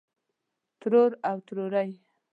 ترور او توړۍ